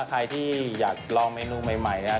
ใครที่อยากลองเมนูใหม่